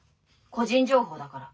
「個人情報だから」。